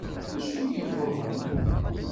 D acu-yi ɣur-wen?